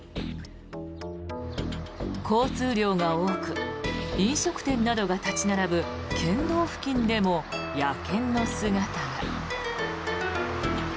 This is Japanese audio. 交通量が多く飲食店などが立ち並ぶ県道付近でも野犬の姿が。